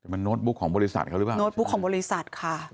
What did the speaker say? มันโน้ตบุ๊กของบริษัทเขาหรือเปล่าโน้ตบุ๊กของบริษัทค่ะ